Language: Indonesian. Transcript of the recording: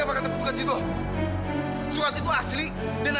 sampai jumpa fadil